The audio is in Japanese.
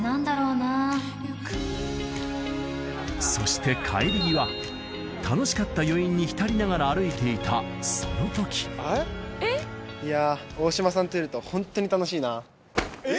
そして楽しかった余韻に浸りながら歩いていたその時いや。